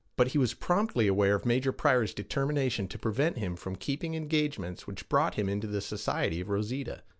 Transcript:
But he was promptly aware of Major Pryor's determination to prevent him from keeping engagements which brought him into the society of Rosita.